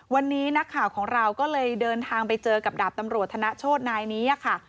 วันนี้นักข่าวของเราก็เลยเดินทางไปเจอกับดาบตำรวจธนโชธนายนี้ค่ะ